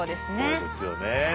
そうですよね。